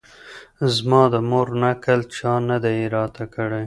زما د مور نکل چا نه دی راته کړی